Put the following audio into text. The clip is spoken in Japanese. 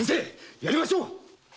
やりましょう先生。